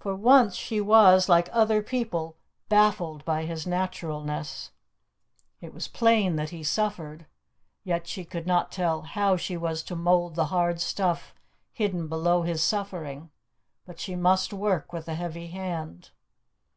For once she was, like other people, baffled by his naturalness. It was plain that he suffered, yet she could not tell how she was to mould the hard stuff hidden below his suffering. But she must work with the heavy hand.